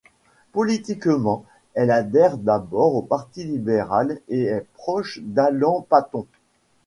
Politiquement, elle adhère d'abord au parti libéral et est proche d'Alan Paton.